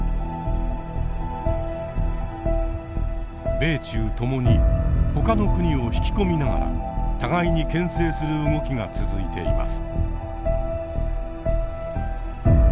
米中ともにほかの国を引き込みながら互いに牽制する動きが続いています。